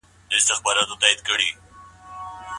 د هغه په کلام کې د هوسۍ او پړانګ ترمنځ تمثیل خورا پیاوړی دی.